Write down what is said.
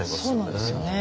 そうなんですよね。